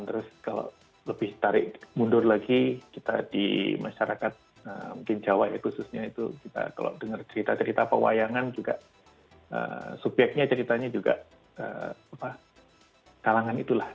terus kalau lebih tarik mundur lagi kita di masyarakat mungkin jawa ya khususnya itu kita kalau dengar cerita cerita pewayangan juga subyeknya ceritanya juga kalangan itulah